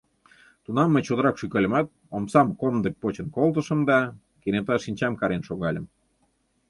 Тунам мый, чотрак шӱкальымат, омсам комдык почын колтышым да... кенета шинчам карен шогальым.